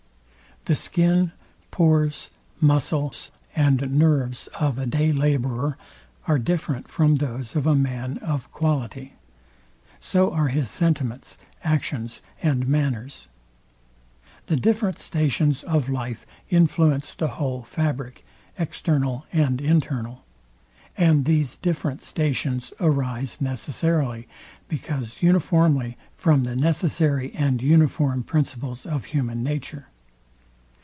The skin, pores, muscles, and nerves of a day labourer are different from those of a man of quality: So are his sentiments, actions and manners. The different stations of life influence the whole fabric, external and internal; and different stations arise necessarily, because uniformly, from the necessary and uniform principles of human nature.